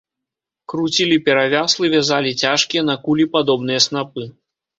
Круцілі перавяслы, вязалі цяжкія, на кулі падобныя снапы.